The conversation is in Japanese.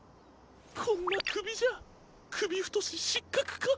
こんなくびじゃくびふとししっかくか。